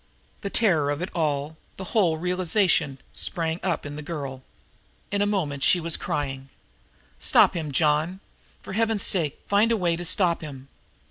The terror of it all, the whole realization, sprang up in the girl. In a moment she was crying: "Stop him, John for Heaven's sake, find a way to stop him."